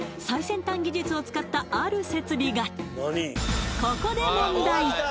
最先端技術を使ったある設備がここで問題